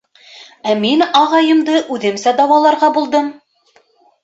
Ә мин ағайымды үҙемсә дауаларға булдым.